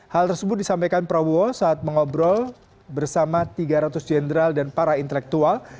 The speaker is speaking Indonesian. hal tersebut disampaikan prabowo saat mengobrol bersama tiga ratus jenderal dan para intelektual